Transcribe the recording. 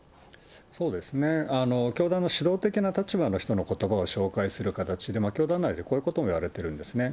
そうですね、教団の主導的な立場の人のことばを紹介する形で、教団内でこういうことを言われているんですね。